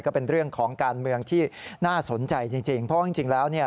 ก็เป็นเรื่องของการเมืองที่น่าสนใจจริงจริงเพราะว่าจริงแล้วเนี่ย